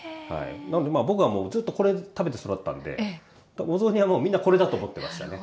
なので僕はもうずっとこれ食べて育ったんでお雑煮はもうみんなこれだと思ってましたね。